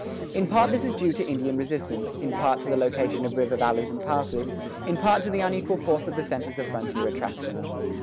In part this is due to Indian resistance, in part to the location of river valleys and passes, in part to the unequal force of the centers of frontier attraction.